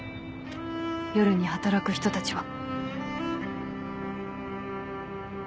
夜に働く人たちは。